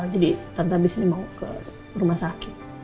jadi tante abis ini mau ke rumah sakit